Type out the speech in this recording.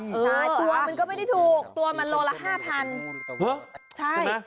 ตัวมันก็ไม่ได้ถูกตัวมันละละ๕๐๐๐